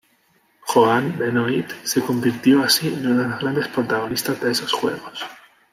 Joan Benoit se convirtió así en una de las grandes protagonistas de esos Juegos.